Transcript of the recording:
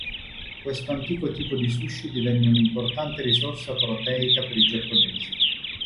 Questo antico tipo di sushi divenne un'importante risorsa proteica per i giapponesi.